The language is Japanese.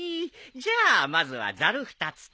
じゃあまずはざる２つと。